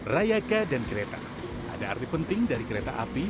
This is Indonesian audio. rayaka dan kereta ada arti penting dari kereta api